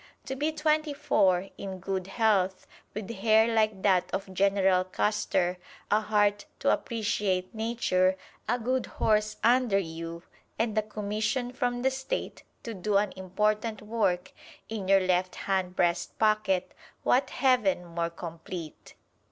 To be twenty four, in good health, with hair like that of General Custer, a heart to appreciate Nature, a good horse under you, and a commission from the State to do an important work, in your left hand breast pocket what Heaven more complete!